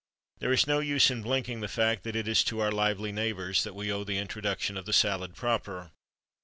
There is no use in blinking the fact that it is to our lively neighbours that we owe the introduction of the salad proper.